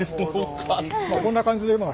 こんな感じでまあ